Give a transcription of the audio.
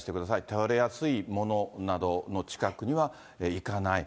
倒れやすいものなどの近くには行かない。